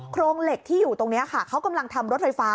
โครงเหล็กที่อยู่ตรงนี้ค่ะเขากำลังทำรถไฟฟ้า